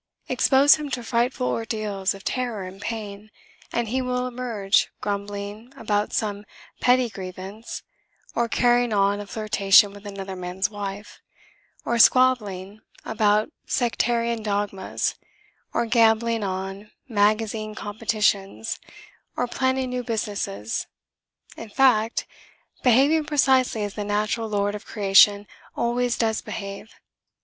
Expose him to frightful ordeals of terror and pain, and he will emerge grumbling about some petty grievance or carrying on a flirtation with another man's wife or squabbling about sectarian dogmas or gambling on magazine competitions or planning new businesses in fact, behaving precisely as the natural lord of creation always does behave.